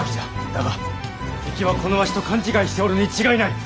だが敵はこのわしと勘違いしておるに違いない！